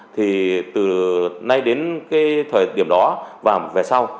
thì từ nay đến cái thời điểm đó và về sau